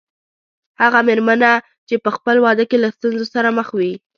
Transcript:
هغه مېرمنه چې په خپل واده کې له ستونزو سره مخ وي.